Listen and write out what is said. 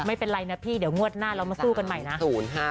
ไม่เป็นไรนะพี่เดี๋ยวงวดหน้าเรามาสู้กันใหม่นะ